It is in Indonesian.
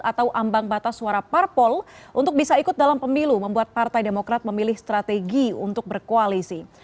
atau ambang batas suara parpol untuk bisa ikut dalam pemilu membuat partai demokrat memilih strategi untuk berkoalisi